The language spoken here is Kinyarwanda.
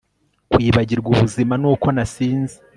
kwibagirwa ubuzima, nuko nasinze